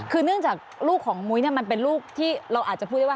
คือเนื่องจากลูกของมุ้ยมันเป็นลูกที่เราอาจจะพูดได้ว่า